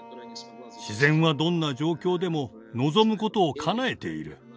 自然はどんな状況でも望むことをかなえている。